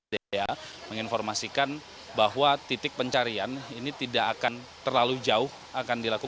dea menginformasikan bahwa titik pencarian ini tidak akan terlalu jauh akan dilakukan